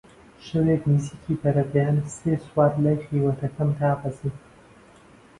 شەوێک نزیکی بەربەیان سێ سوار لای خێوەتەکەم دابەزین